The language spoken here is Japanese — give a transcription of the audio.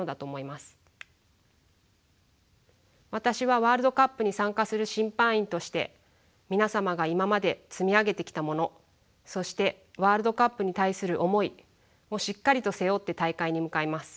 私はワールドカップに参加する審判員として皆様が今まで積み上げてきたものそしてワールドカップに対する思いをしっかりと背負って大会に向かいます。